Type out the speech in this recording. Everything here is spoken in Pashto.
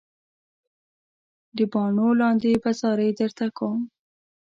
د باڼو لاندې به زارۍ درته کوم.